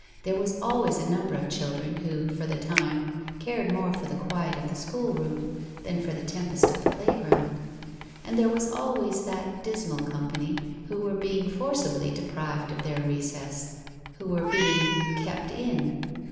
There was always a number of children who, for the time, cared more for the quiet of the school room than for the tempest of the play ground, and there was always that dismal company who were being forcibly deprived of their recess who were being "kept in."